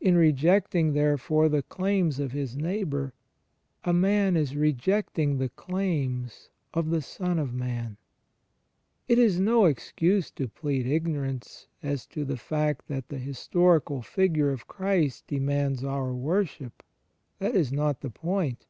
In rejecting, therefore, the claims of his neighbour, a man is rejecting the claims of the Son of Man. It is no excuse to plead ignorance as to the fact that the historical figure of Christ demands our worship; that is not the point.